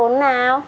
lớp bốn nào